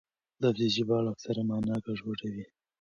لفظي ژباړه اکثره مانا ګډوډوي.